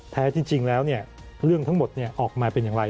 ท้ายที่จริงแล้วเนี่ยเรื่องทั้งหมดออกมาเป็นอย่างไร